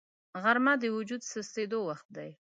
غرمه د وجود سستېدو وخت دی